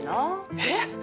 えっ！？